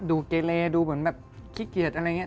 ดูเกะเลดูเหมือนแบบขี้เกียจอะไรเงี้ย